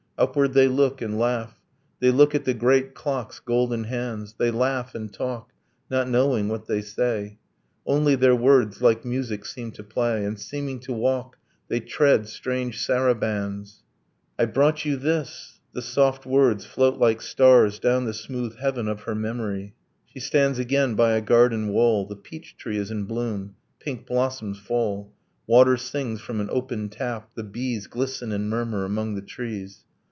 Upward they look and laugh, They look at the great clock's golden hands, They laugh and talk, not knowing what they say: Only, their words like music seem to play; And seeming to walk, they tread strange sarabands. 'I brought you this ...' the soft words float like stars Down the smooth heaven of her memory. She stands again by a garden wall, The peach tree is in bloom, pink blossoms fall, Water sings from an opened tap, the bees Glisten and murmur among the trees.